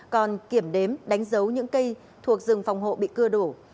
còn kiểm đếm đánh dấu những cây thuộc rừng phòng hộ bị cưa đổ